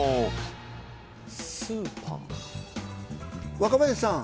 若林さん